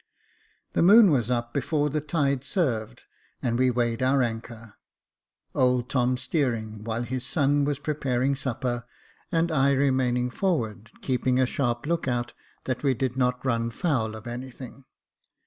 The moon was up before the tide served, and we weighed our anchor ; old Tom steering, while his son was preparing supper, and I remaining forward, keeping a sharp look out that we did not run foul of anything.